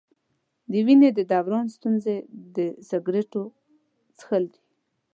د وینې د دوران ستونزې د سګرټو څښل دي.